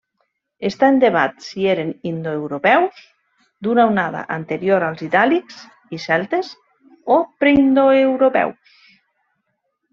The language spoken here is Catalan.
Està en debat si eren indoeuropeus d'una onada anterior als itàlics i celtes, o preindoeuropeus.